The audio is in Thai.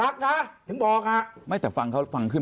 คุณอย่าเอาตำแหน่งของคุณ